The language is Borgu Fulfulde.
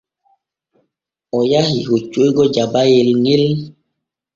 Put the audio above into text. O yahi hoccoygo Jabayel ŋel.